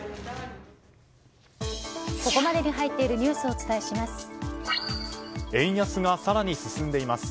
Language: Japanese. ここまでに入っているニュースをお伝えします。